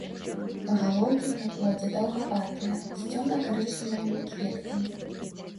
Галоўкі пры плодзе даўгаватыя, з цёмна-карычневымі кветкамі.